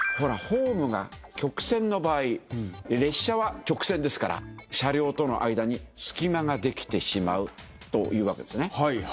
ホームが曲線の場合列車は直線ですから車両との間に隙間ができてしまうというわけですね。